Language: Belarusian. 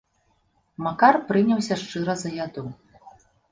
Макар прыняўся шчыра за яду.